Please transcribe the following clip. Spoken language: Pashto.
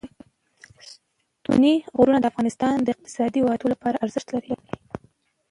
ستوني غرونه د افغانستان د اقتصادي ودې لپاره ارزښت لري.